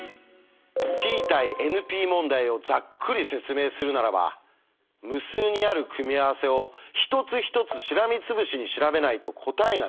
Ｐ対ＮＰ問題をざっくり説明するならば無数にある組み合わせを一つ一つしらみつぶしに調べないと答えが見つからないのか？